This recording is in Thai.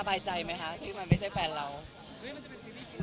สบายใจไหมคะที่มันไม่ใช่แฟนเรา